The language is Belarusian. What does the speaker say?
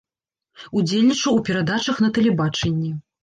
Удзельнічаў у перадачах на тэлебачанні.